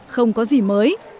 không có gì mới